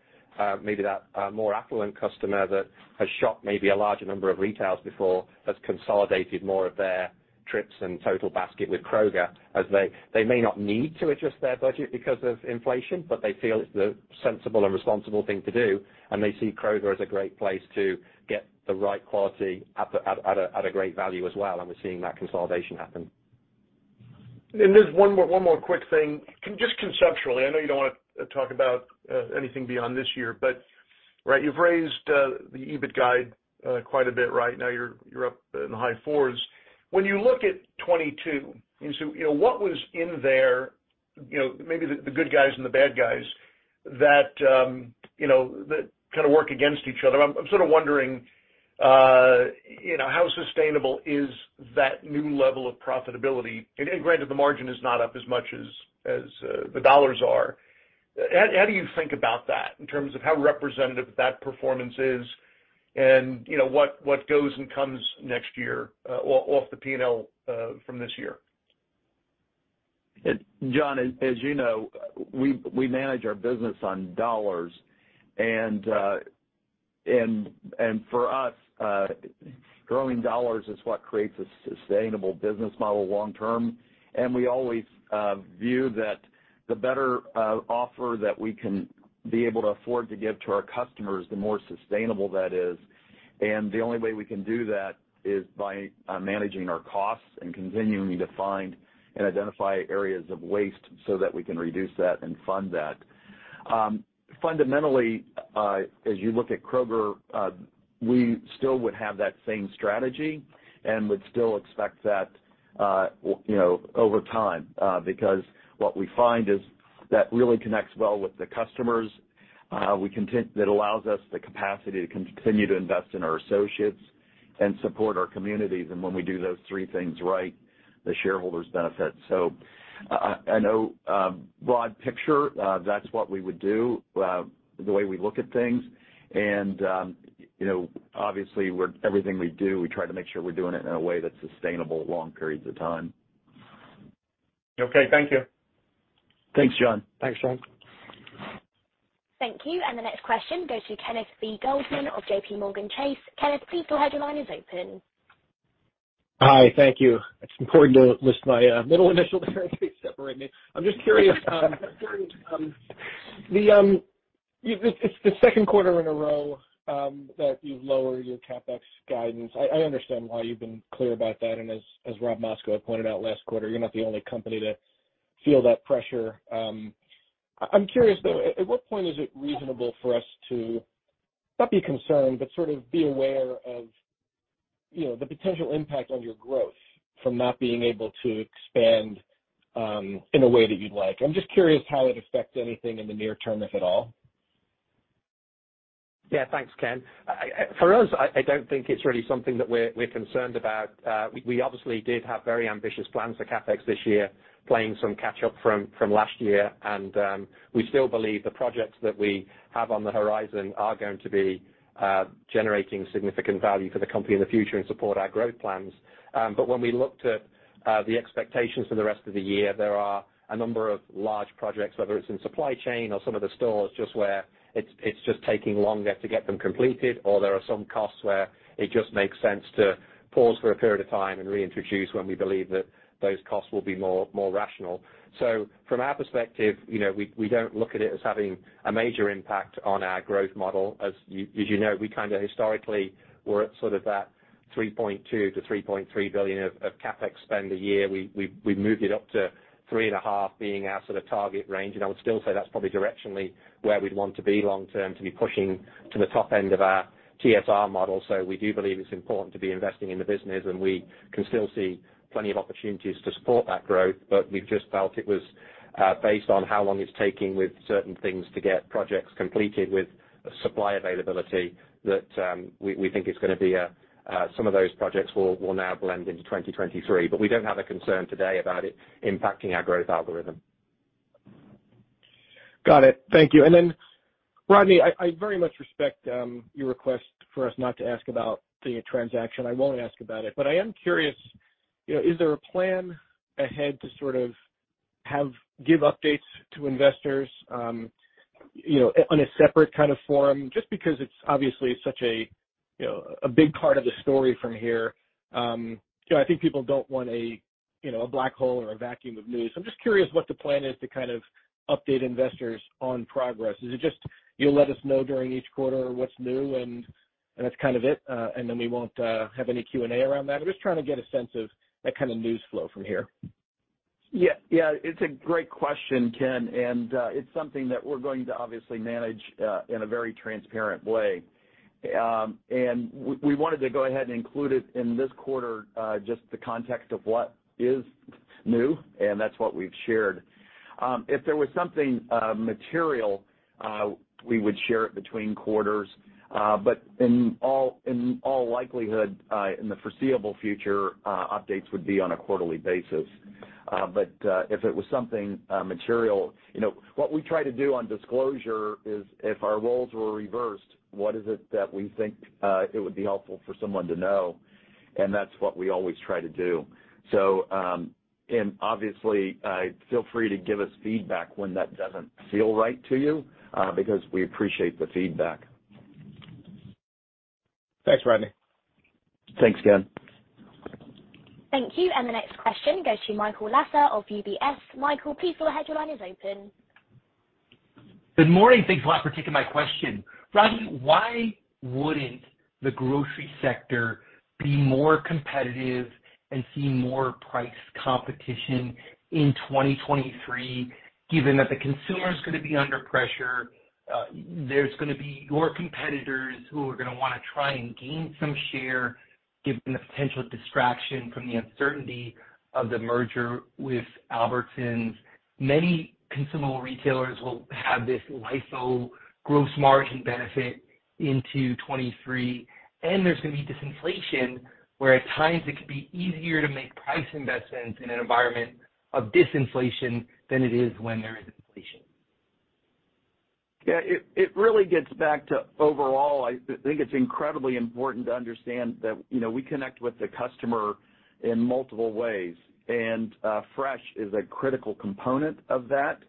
maybe that more affluent customer that has shopped maybe a larger number of retailers before has consolidated more of their trips and total basket with Kroger as they may not need to adjust their budget because of inflation, but they feel it's the sensible and responsible thing to do, and they see Kroger as a great place to get the right quality at a great value as well. We're seeing that consolidation happen. There's one more quick thing. Just conceptually, I know you don't wanna talk about anything beyond this year, but, right, you've raised the EBIT guide quite a bit, right? Now you're up in the high 4s. When you look at 2022, you know, what was in there, you know, maybe the good guys and the bad guys that, you know, that kinda work against each other. I'm sort of wondering, you know, how sustainable is that new level of profitability? Granted, the margin is not up as much as the dollars are. How do you think about that in terms of how representative that performance is and, you know, what goes and comes next year off the P&L from this year? John, as you know, we manage our business on dollars. For us, growing dollars is what creates a sustainable business model long-term. We always view that the better offer that we can be able to afford to give to our customers, the more sustainable that is. The only way we can do that is by managing our costs and continuing to find and identify areas of waste so that we can reduce that and fund that. Fundamentally, as you look at Kroger, we still would have that same strategy and would still expect that, you know, over time, because what we find is that really connects well with the customers. It allows us the capacity to continue to invest in our associates and support our communities. When we do those three things right, the shareholders benefit. I know, broad picture, that's what we would do, the way we look at things. You know, obviously everything we do, we try to make sure we're doing it in a way that's sustainable long periods of time. Okay, thank you. Thanks, John. Thanks, John. Thank you. The next question goes to Kenneth B. Goldman of JPMorgan Chase. Kenneth B., your headline is open. Hi, thank you. It's important to list my middle initial there to separate me. I'm just curious, It's the second quarter in a row that you've lowered your CapEx guidance. I understand why you've been clear about that. As Rob Moskow had pointed out last quarter, you're not the only company to feel that pressure. I'm curious, though, at what point is it reasonable for us to not be concerned, but sort of be aware of, you know, the potential impact on your growth from not being able to expand in a way that you'd like? I'm just curious how it affects anything in the near-term, if at all. Yeah. Thanks, Ken. For us, I don't think it's really something that we're concerned about. We obviously did have very ambitious plans for CapEx this year, playing some catch up from last year. We still believe the projects that we have on the horizon are going to be generating significant value for the company in the future and support our growth plans. When we look to the expectations for the rest of the year, there are a number of large projects, whether it's in supply chain or some of the stores, just where it's taking longer to get them completed, or there are some costs where it just makes sense to pause for a period of time and reintroduce when we believe that those costs will be more rational. From our perspective, you know, we don't look at it as having a major impact on our growth model. As you know, we kinda historically were at sort of that $3.2 billion-$3.3 billion of CapEx spend a year. We moved it up to $3.5 billion being our sort of target range. I would still say that's probably directionally where we'd want to be long-term to be pushing to the top end of our TSR model. We do believe it's important to be investing in the business, and we can still see plenty of opportunities to support that growth. We've just felt it was based on how long it's taking with certain things to get projects completed with supply availability, that we think it's gonna be some of those projects will now blend into 2023. We don't have a concern today about it impacting our growth algorithm. Got it. Thank you. Then, Rodney, I very much respect your request for us not to ask about the transaction. I won't ask about it. I am curious, you know, is there a plan ahead to sort of give updates to investors, you know, on a separate kind of forum, just because it's obviously such a, you know, a big part of the story from here. You know, I think people don't want a, you know, a black hole or a vacuum of news. I'm just curious what the plan is to kind of update investors on progress. Is it just you'll let us know during each quarter what's new and that's kind of it, and then we won't have any Q&A around that? I'm just trying to get a sense of that kind of news flow from here. Yeah. Yeah. It's a great question, Ken, it's something that we're going to obviously manage in a very transparent way. We wanted to go ahead and include it in this quarter, just the context of what is new, and that's what we've shared. If there was something material, we would share it between quarters. In all likelihood, in the foreseeable future, updates would be on a quarterly basis. If it was something material, you know, what we try to do on disclosure is if our roles were reversed, what is it that we think it would be helpful for someone to know? That's what we always try to do. And obviously, feel free to give us feedback when that doesn't feel right to you, because we appreciate the feedback. Thanks, Rodney. Thanks, Ken. Thank you. The next question goes to Michael Lasser of UBS. Michael, please go ahead, your line is open. Good morning. Thanks a lot for taking my question. Rodney, why wouldn't the grocery sector be more competitive and see more price competition in 2023, given that the consumer's gonna be under pressure, there's gonna be your competitors who are gonna wanna try and gain some share given the potential distraction from the uncertainty of the merger with Albertsons. Many consumable retailers will have this LIFO gross margin benefit into 2023, and there's gonna be disinflation, where at times it could be easier to make price investments in an environment of disinflation than it is when there is inflation. Yeah, it really gets back to overall, I think it's incredibly important to understand that, you know, we connect with the customer in multiple ways, and Fresh is a critical component of that.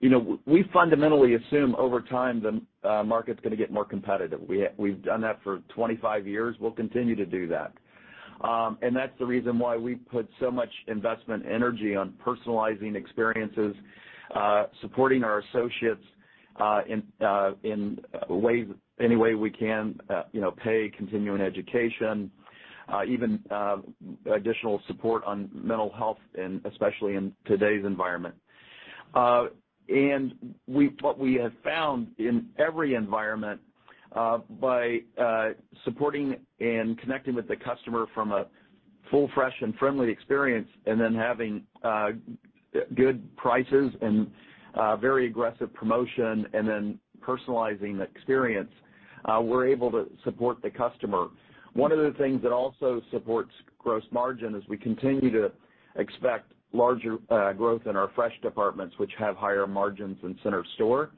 You know, we fundamentally assume over time the market's gonna get more competitive. We've done that for 25 years, we'll continue to do that. That's the reason why we put so much investment energy on personalizing experiences, supporting our associates, in ways, any way we can, you know, pay, continuing education, even additional support on mental health and especially in today's environment. What we have found in every environment, by supporting and connecting with the customer from a full, fresh, and friendly experience and then having good prices and very aggressive promotion and then personalizing the experience, we're able to support the customer. One of the things that also supports gross margin is we continue to expect larger growth in our Fresh departments, which have higher margins in center store.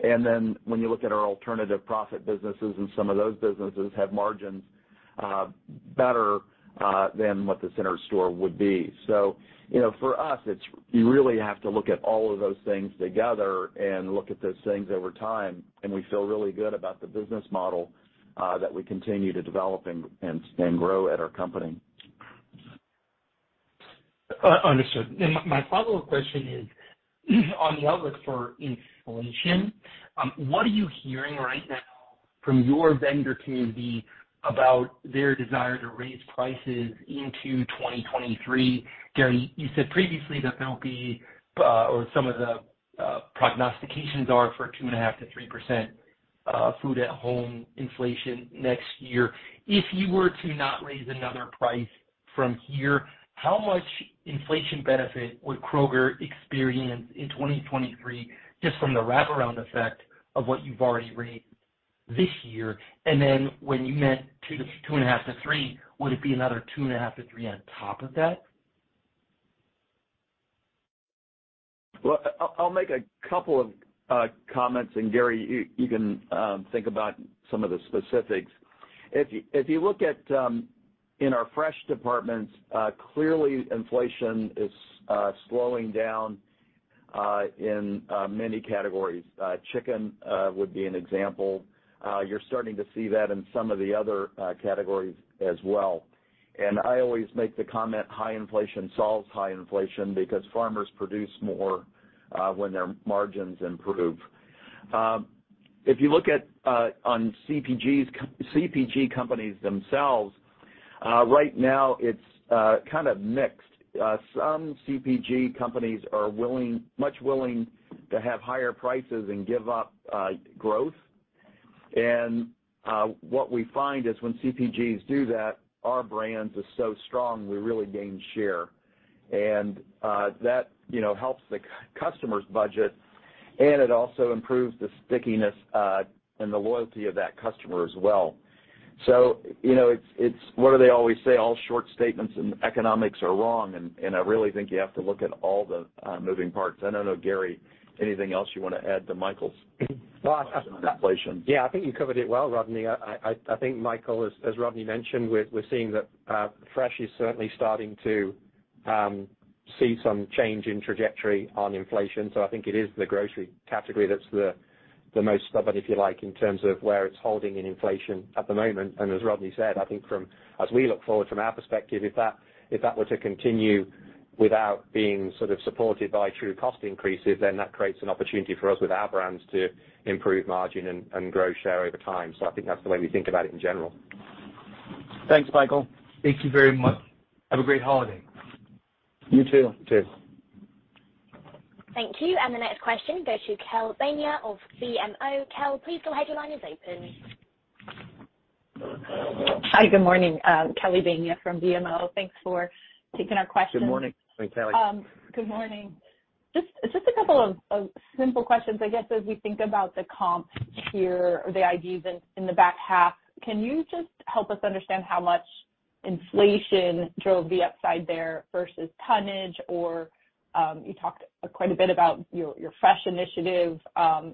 When you look at our alternative profit businesses and some of those businesses have margins better than what the center store would be. You know, for us, it's you really have to look at all of those things together and look at those things over time, and we feel really good about the business model that we continue to develop and grow at our company. Understood. My follow-up question is, on the outlook for inflation, what are you hearing right now from your vendor community about their desire to raise prices into 2023? Gary, you said previously that there'll be, or some of the prognostications are for 2.5%-3% food at home inflation next year. If you were to not raise another price from here, how much inflation benefit would Kroger experience in 2023 just from the wraparound effect of what you've already raised this year? When you meant 2.5%-3%, would it be another 2.5%-3% on top of that? Well, I'll make a couple of comments, and Gary, you can think about some of the specifics. If you look at in our Fresh departments, clearly inflation is slowing down in many categories. Chicken would be an example. You're starting to see that in some of the other categories as well. I always make the comment, high inflation solves high inflation because farmers produce more when their margins improve. If you look at on CPG companies themselves, right now it's kind of mixed. Some CPG companies are much willing to have higher prices and give up growth. What we find is when CPGs do that, Our Brands are so strong we really gain share. That, you know, helps the customer's budget, and it also improves the stickiness, and the loyalty of that customer as well. You know, it's what do they always say? All short statements in economics are wrong, and I really think you have to look at all the moving parts. I don't know, Gary, anything else you wanna add to Michael's question on inflation? Yeah, I think you covered it well, Rodney. I think Michael, as Rodney mentioned, we're seeing that fresh is certainly starting to see some change in trajectory on inflation. I think it is the grocery category that's the most stubborn, if you like, in terms of where it's holding in inflation at the moment. As Rodney said, I think from, as we look forward from our perspective, if that were to continue without being sort of supported by true cost increases, then that creates an opportunity for us with our brands to improve margin and grow share over time. I think that's the way we think about it in general. Thank you very much. Have a great holiday. You too. You too. Thank you. The next question goes to Kelly Bania of BMO. Kelly, please go ahead, your line is open. Hi, good morning. Kelly Bania from BMO. Thanks for taking our question. Good morning, Kelly. Good morning. Just a couple of simple questions. I guess as we think about the comps here or the ideas in the back half, can you just help us understand how much inflation drove the upside there versus tonnage or, you talked quite a bit about your Fresh initiative.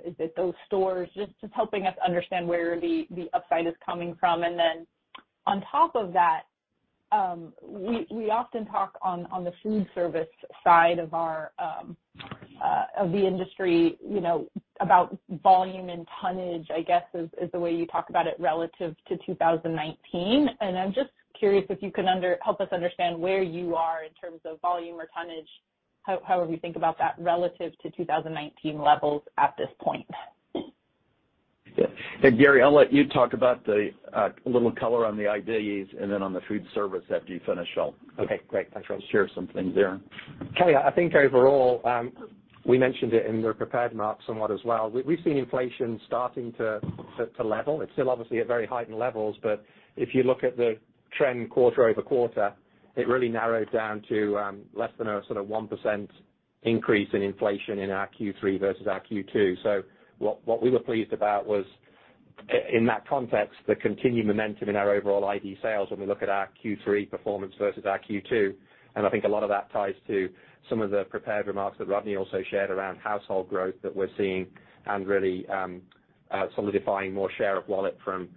Is it those stores? Just helping us understand where the upside is coming from. Then on top of that, we often talk on the food service side of our of the industry, you know- About volume and tonnage, I guess, is the way you talk about it relative to 2019. I'm just curious if you can help us understand where you are in terms of volume or tonnage, however you think bout that relative to 2019 levels at this point. Yeah. Hey, Gary, I'll let you talk about the little color on the IDs and then on the food service. After you finish. Okay, great. Thanks, Rodney. share some things there. Kelly, I think overall, we mentioned it in the prepared remarks somewhat as well. We've seen inflation starting to level. It's still obviously at very heightened levels, but if you look at the trend quarter-over-quarter, it really narrows down to less than a sort of 1% increase in inflation in our Q3 versus our Q2. What we were pleased about was in that context, the continued momentum in our overall ID sales when we look at our Q3 performance versus our Q2. I think a lot of that ties to some of the prepared remarks that Rodney also shared around household growth that we're seeing and really, solidifying more share of wallet from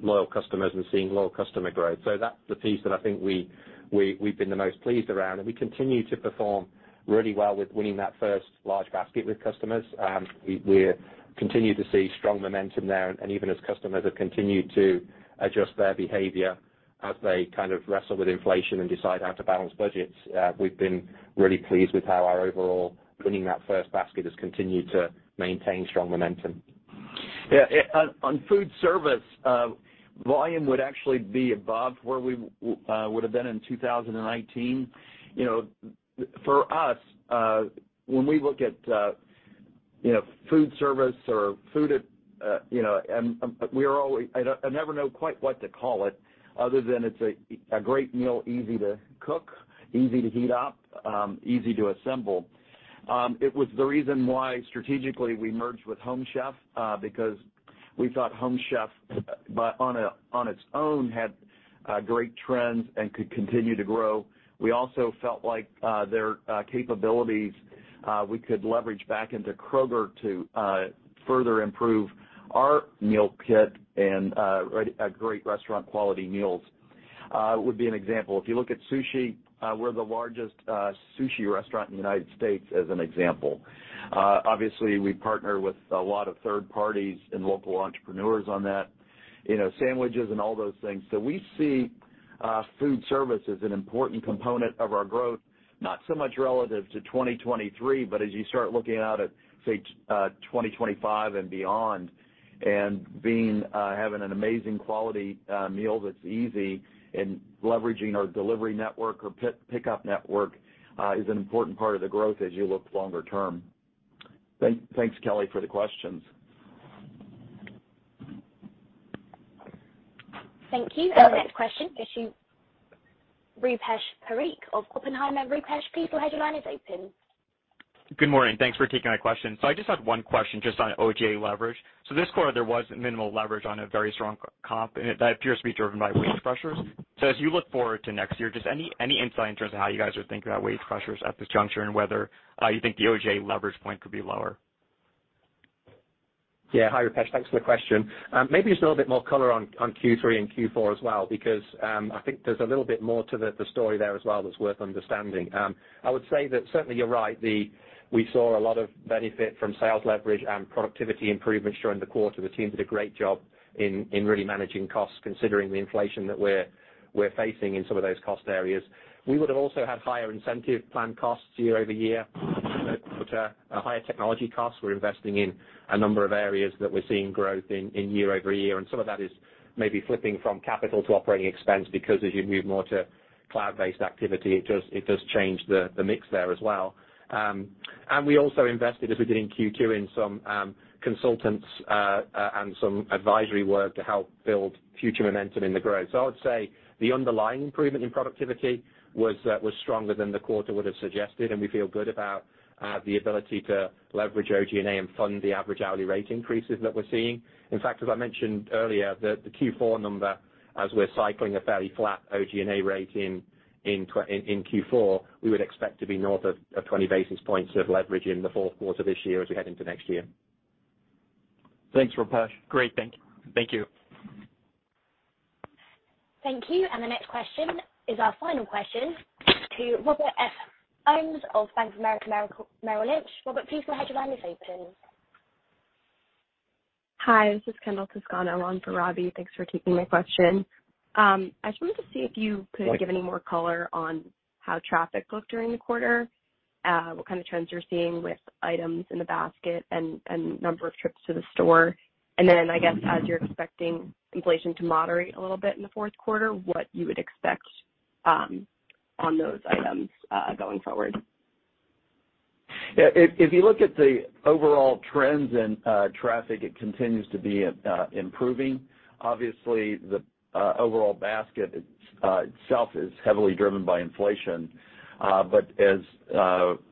loyal customers and seeing loyal customer growth. That's the piece that I think we've been the most pleased around, and we continue to perform really well with winning that first large basket with customers. We continue to see strong momentum there. Even as customers have continued to adjust their behavior as they kind of wrestle with inflation and decide how to balance budgets, we've been really pleased with how our overall winning that first basket has continued to maintain strong momentum. Yeah, on food service, volume would actually be above where we would have been in 2019. You know, for us, when we look at, you know, food service or food, you know, we are always I never know quite what to call it other than it's a great meal, easy to cook, easy to heat up, easy to assemble. It was the reason why strategically we merged with Home Chef, because we thought Home Chef, but on a, on its own, had great trends and could continue to grow. We also felt like their capabilities, we could leverage back into Kroger to further improve our meal kit and a great restaurant quality meals would be an example. If you look at sushi, we're the largest sushi restaurant in the United States, as an example. Obviously, we partner with a lot of third-parties and local entrepreneurs on that, you know, sandwiches and all those things. We see food service as an important component of our growth, not so much relative to 2023, but as you start looking out at, say, 2025 and beyond, and being having an amazing quality meal that's easy and leveraging our delivery network or pickup network, is an important part of the growth as you look longer term. Thanks, Kelly, for the questions. Thank you. Our next question is to Rupesh Parikh of Oppenheimer. Rupesh, please go ahead, your line is open. Good morning. Thanks for taking my question. I just had one question just on OG&A leverage. This quarter, there was minimal leverage on a very strong comp, and that appears to be driven by wage pressures. As you look forward to next year, just any insight in terms of how you guys are thinking about wage pressures at this juncture and whether you think the OG&A leverage point could be lower? Yeah. Hi, Rupesh. Thanks for the question. Maybe just a little bit more color on Q3 and Q4 as well, because I think there's a little bit more to the story there as well that's worth understanding. I would say that certainly you're right. We saw a lot of benefit from sales leverage and productivity improvements during the quarter. The team did a great job in really managing costs considering the inflation that we're facing in some of those cost areas. We would have also had higher incentive plan costs year-over-year, higher technology costs. We're investing in a number of areas that we're seeing growth in year-over-year, and some of that is maybe flipping from capital to operating expense because as you move more to cloud-based activity, it does change the mix there as well. We also invested, as we did in Q2, in some consultants and some advisory work to help build future momentum in the growth. I would say the underlying improvement in productivity was stronger than the quarter would have suggested, and we feel good about the ability to leverage OG&A and fund the average hourly rate increases that we're seeing. In fact, as I mentioned earlier, the Q4 number, as we're cycling a fairly flat OG&A rate in Q4, we would expect to be north of 20 basis points of leverage in the fourth quarter this year as we head into next year. Thanks, Rupesh. Great. Thank you. Thank you. The next question is our final question to Robert F. Ohmes of Bank of America Merrill Lynch. Robert, please go ahead, your line is open. Hi, this is Kendall Toscano on for Robbie. Thanks for taking my question. I just wanted to see if you could give any more color on how traffic looked during the quarter, what kind of trends you're seeing with items in the basket and number of trips to the store? I guess, as you're expecting inflation to moderate a little bit in the fourth quarter, what you would expect on those items going forward? Yeah, if you look at the overall trends in traffic, it continues to be improving. Obviously, the overall basket itself is heavily driven by inflation. As,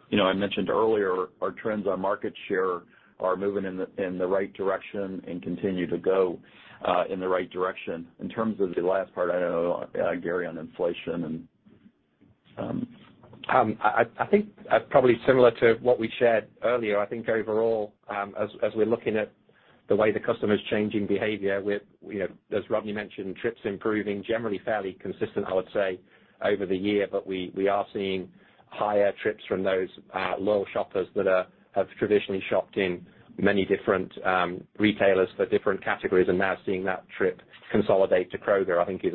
you know, I mentioned earlier, our trends on market share are moving in the right direction and continue to go in the right direction. In terms of the last part, I know, Gary, on inflation and. I think probably similar to what we shared earlier, I think overall, as we're looking at the way the customer's changing behavior with, you know, as Rodney mentioned, trips improving generally fairly consistent, I would say, over the year. We are seeing higher trips from those loyal shoppers that have traditionally shopped in many different retailers for different categories and now seeing that trip consolidate to Kroger, I think is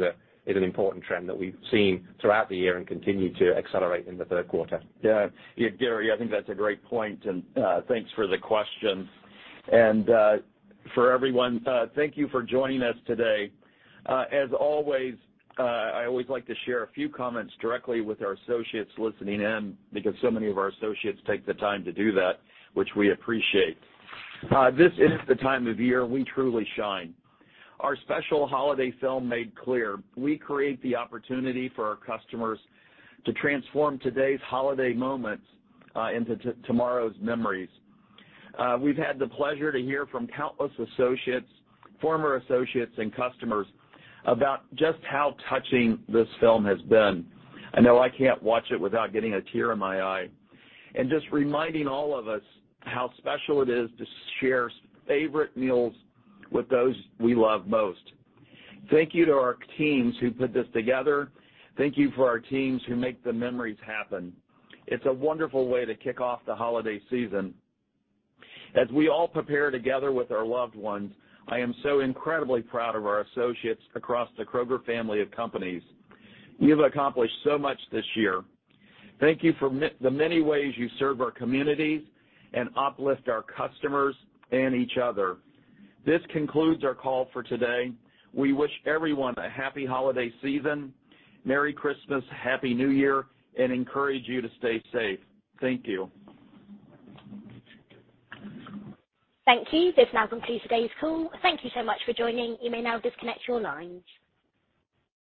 an important trend that we've seen throughout the year and continue to accelerate in the third quarter. Yeah. Yeah, Gary, I think that's a great point and thanks for the question. For everyone, thank you for joining us today. As always, I always like to share a few comments directly with our associates listening in because so many of our associates take the time to do that, which we appreciate. This is the time of year we truly shine. Our special holiday film made clear we create the opportunity for our customers to transform today's holiday moments into tomorrow's memories. We've had the pleasure to hear from countless associates, former associates and customers about just how touching this film has been. I know I can't watch it without getting a tear in my eye. Just reminding all of us how special it is to share favorite meals with those we love most. Thank you to our teams who put this together. Thank you for our teams who make the memories happen. It's a wonderful way to kick off the holiday season. As we all prepare together with our loved ones, I am so incredibly proud of our associates across the Kroger family of companies. You've accomplished so much this year. Thank you for the many ways you serve our communities and uplift our customers and each other. This concludes our call for today. We wish everyone a happy holiday season, merry Christmas, happy New Year, and encourage you to stay safe. Thank you. Thank you. This now concludes today's call. Thank you so much for joining. You may now disconnect your lines.